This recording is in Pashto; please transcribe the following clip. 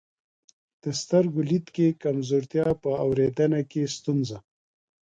د سترګو لید کې کمزورتیا، په اورېدنه کې ستونزه،